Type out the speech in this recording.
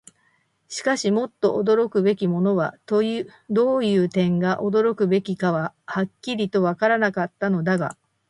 しかし、もっと驚くべきものは、どういう点が驚くべきかははっきりとはわからなかったのだが、右手の隅であった。